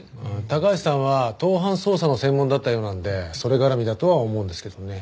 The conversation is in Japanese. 高橋さんは盗犯捜査の専門だったようなんでそれ絡みだとは思うんですけどね。